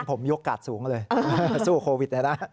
ผมยกกาดสูงเลยสู้โควิดเลยนะ